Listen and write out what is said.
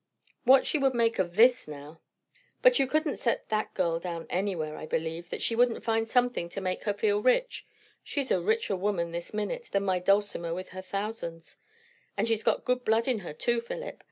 What she would make of this now! But you couldn't set that girl down anywhere, I believe, that she wouldn't find something to make her feel rich. She's a richer woman this minute, than my Dulcimer with her thousands. And she's got good blood in her too, Philip.